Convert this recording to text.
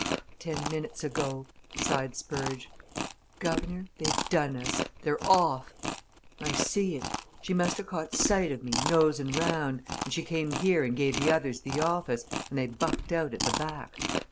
"Ten minutes ago!" sighed Spurge. "Guv'nor they've done us! They're off! I see it she must ha' caught sight o' me, nosing round, and she came here and gave the others the office, and they bucked out at the back.